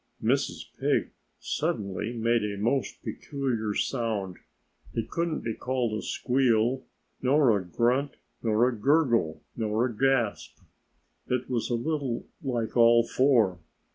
Mrs. Pig suddenly made a most peculiar sound. It couldn't be called a squeal, nor a grunt, nor a gurgle, nor a gasp. It was a little like all four.